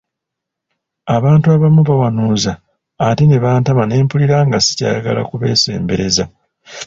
Abantu abamu bawanuuza ate ne bantama n’empulira nga sikyayagala kubeesembereza.